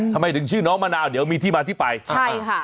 ทำไมถึงชื่อน้องมะนาวเดี๋ยวมีที่มาที่ไปใช่ค่ะ